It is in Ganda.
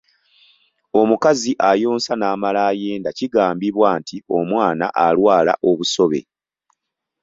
Omukazi ayonsa n’amala ayenda kigambibwa nti omwana alwala Obusobe.